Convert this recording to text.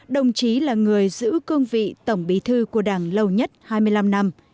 đồng chí là người giữ cương vị tổng bí thư của đảng lâu nhất hai mươi năm năm